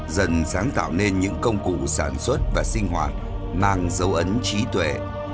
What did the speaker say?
dần sáng tạo nên những công cụ sản xuất và sinh hoạt mang dấu ấn trí tuệ